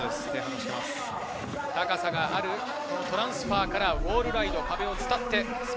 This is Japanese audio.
高さがあるトランスファーからウォールライド。